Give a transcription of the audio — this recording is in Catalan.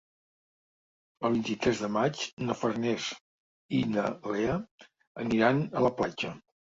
El vint-i-tres de maig na Farners i na Lea aniran a la platja.